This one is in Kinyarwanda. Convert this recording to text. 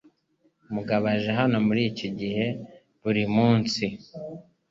Mugabo aje hano muri iki gihe buri munsi.